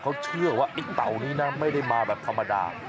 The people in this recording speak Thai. เขาเชื่อว่าไอ้เต่านี้นะไม่ได้มาแบบธรรมดา